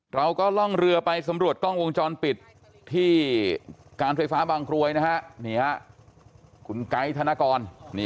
เราก็ล่องเรือไปสำรวจกล้องวงจรปิดที่การถ่วยฟ้าบางครวยจะถึงเป็น